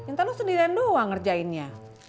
ntar lo sendirian doang ngerjainnya